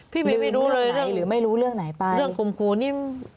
พี่เบ๊ไม่รู้เลยเรื่องขมครูนี่